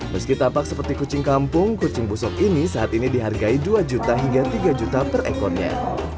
meski tampak seperti kucing kampung kucing busuk ini saat ini dihargai dua juta hingga tiga juta per ekornya